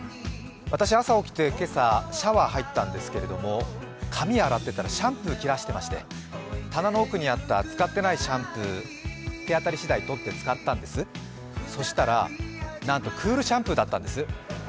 私、朝起きて今朝、シャワー入ったんですが、髪を洗っていたらシャンプーを切らしていまして棚の奥にあった使ってないシャンプーを手当たり次第、取って使ったんですそしたら、なんとクールシャンプーだったんです。